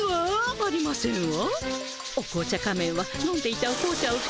ありませんわ。